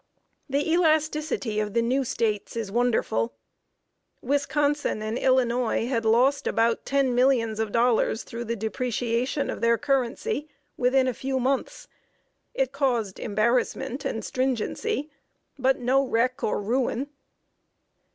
The elasticity of the new States is wonderful. Wisconsin and Illinois had lost about ten millions of dollars through the depreciation of their currency within a few months. It caused embarrassment and stringency, but no wreck or ruin.